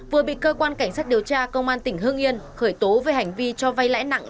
vừa bị cơ quan cảnh sát điều tra công an tỉnh hương yên khởi tố về hành vi cho vay lãi nặng